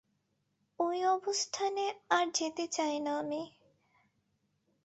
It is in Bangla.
ওই অবস্থানে আর যেতে চাই না আমি।